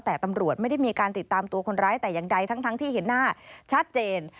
แต่ตำรวจไม่ได้มีการติดตามตัวคนร้ายแต่อย่างใดทั้งที่เห็นหน้าชัดเจน